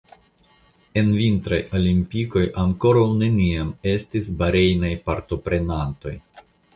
En vintraj olimpikoj ankoraŭ neniam estis Barejnaj partoprenantoj.